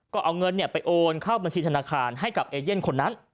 ก็เอาเงินไปโอนเข้าบัญชีธนาคารให้กับเอเย่นคนนั้น